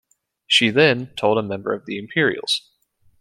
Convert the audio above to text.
She then, told a member of The Imperials.